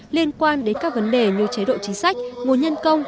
liên quan đến các vấn đề như chế độ chính sách nguồn nhân công